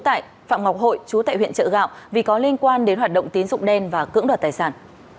vừa bắt giữ đối tượng phạm ngọc hội chú tại huyện trợ gạo vì có liên quan đến hoạt động tín dụng đen và cưỡng đoạt tài sản